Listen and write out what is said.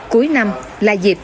cuối năm là dịp